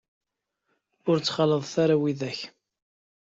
Ur ttxalaḍet ara widak.